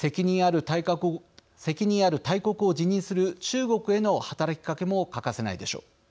責任ある大国を自任する中国への働きかけも欠かせないでしょう。